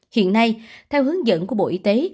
hiện nay theo hướng dẫn của bộ y tế